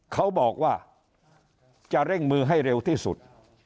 เขาบอกว่าจะเร่งมือให้เร็วที่สุด